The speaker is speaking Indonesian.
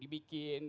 dalam upaya untuk